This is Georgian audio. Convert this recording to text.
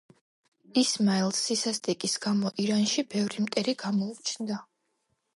ისმაილს სისასტიკის გამო ირანში ბევრი მტერი გამოუჩნდა.